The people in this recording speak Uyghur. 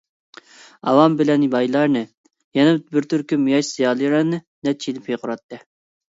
ئاۋام بىلەن بايلارنى، يەنە بىر تۈركۈم ياش زىيالىلارنى نەچچە يىل پىقىراتتى.